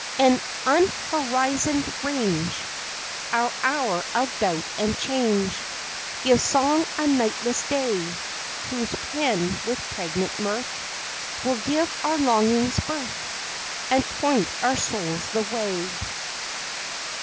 An unhorizoned range, Our hour of doubt and change, Gives song a nightless day, Whose pen with pregnant mirth Will give our longings birth, And point our souls the way?